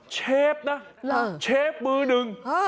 เชฟนะเชฟมือหนึ่ง